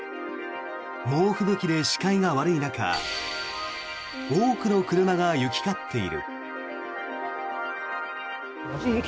猛吹雪で視界が悪い中多くの車が行き交っている。